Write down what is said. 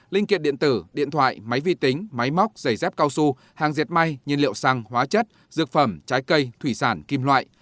linh kiện điện tử điện thoại máy vi tính máy móc giày dép cao su hàng diệt may nhiên liệu xăng hóa chất dược phẩm trái cây thủy sản kim loại